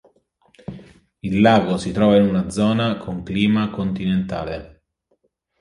Il lago si trova in una zona con clima continentale.